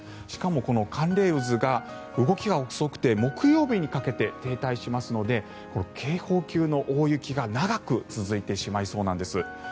しかも、この寒冷渦が動きが遅くて、木曜日にかけて停滞しますので警報級の大雪が長く続いてしまいそうなんです。